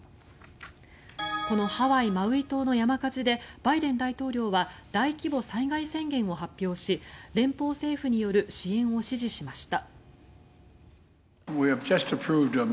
このハワイ・マウイ島の山火事でバイデン大統領は大規模災害宣言を発表し連邦政府による支援を指示しました。